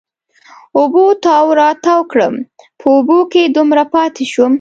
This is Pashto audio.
اوبو تاو را تاو کړم، په اوبو کې دومره پاتې شوم.